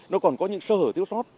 nó còn có những sơ hở thiếu sót